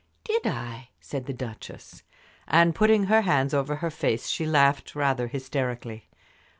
"Did I?" said the Duchess. And putting her hands over her face she laughed rather hysterically.